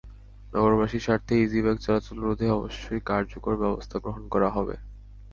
নগরবাসীর স্বার্থে ইজিবাইক চলাচল রোধে অবশ্যই কার্যকর ব্যবস্থা গ্রহণ করা হবে।